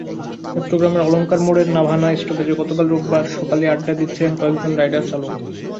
চট্টগ্রামের অলংকার মোড়ের নাভানা স্টপেজে গতকাল রোববার সকালে আড্ডা দিচ্ছিলেন কয়েকজন রাইডারচালক।